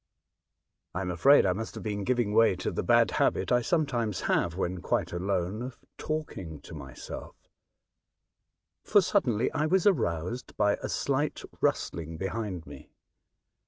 I am afraid I must have been giving way to the bad habit I sometimes have when quite alone of talking to myself, for suddenly I was aroused by a slight rustling behind me.